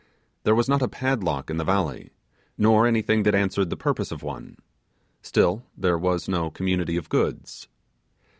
There was not a padlock in the valley, nor anything that answered the purpose of one: still there was no community of goods.